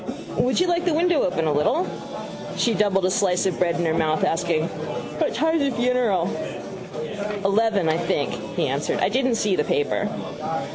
—Would you like the window open a little? She doubled a slice of bread into her mouth, asking: —What time is the funeral? —Eleven, I think, he answered. I didn't see the paper.